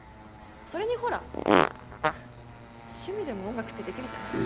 それにほら趣味でも音楽ってできるじゃない？